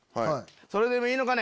「それでもいいのかね